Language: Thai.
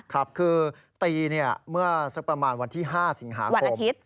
ครับคือตีเมื่อสักประมาณวันที่๕สิงหาคม